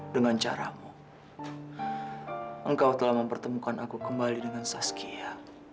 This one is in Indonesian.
dengan caramu engkau telah mempertemukan aku kembali dengan saskia